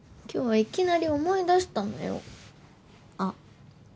今日いきなり思い出したんだよあっ